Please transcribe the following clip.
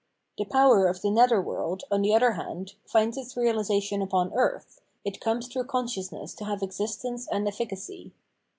The power of the nether world, on the other hand, finds its realisation upon earth ; it comes through consciousness to have existence and efiicacy.